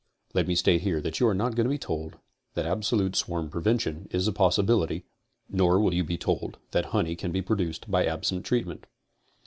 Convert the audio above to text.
Let me state here that you are not going to be told that ab solute swarm prevention is a possibility, nor will you be told that honey can be produced by absent treatment.